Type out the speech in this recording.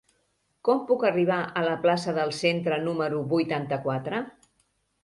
Com puc arribar a la plaça del Centre número vuitanta-quatre?